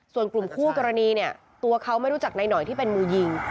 ส่วนกลุ่มคู่กรณีเนี่ยตัวเขาไม่รู้จักนายหน่อยที่เป็นมือยิง